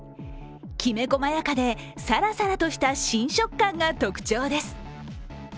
きめ細やかでサラサラとした新食感が特徴です。